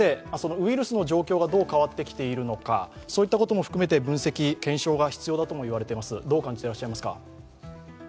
ウイルスの状況がどう変わってきているのかそういったことも含めて分析、検証が必要だとも言われていますが、どう感じていらっしゃいますか？